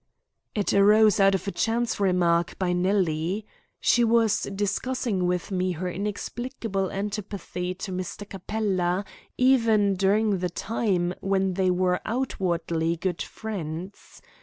"It arose out of a chance remark by Nellie. She was discussing with me her inexplicable antipathy to Mr. Capella, even during the time when they were outwardly good friends.